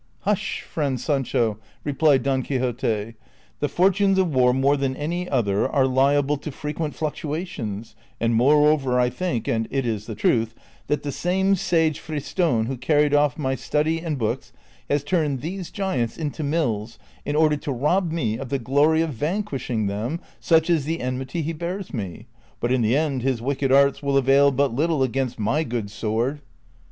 "Hush, friend Sancho," replied Don Quixote, ''the fortunes of war more than any other are lial)le to frecpient fluctuations ; and moreover I think, and it is the truth, that that same sage Friston who carried off my study and books, has turned these giants into mills in order to rob me of the glory of vanquish ing them, such is the enmity he bears me ; but in the end his wicked arts will avail but little against my good sword."